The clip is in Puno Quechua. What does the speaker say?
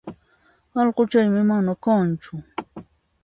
Allquchaymi mana kanchu